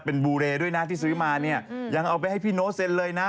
เป็นบูเรย์ด้วยนะที่ซื้อมาเนี่ยยังเอาไปให้พี่โน้เซ็นเลยนะ